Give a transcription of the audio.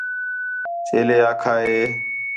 چیلے آکھا ہِے